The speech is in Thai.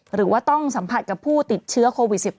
หรือว่าต้องสัมผัสกับผู้ติดเชื้อโควิด๑๙